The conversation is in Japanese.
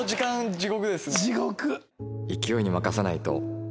地獄！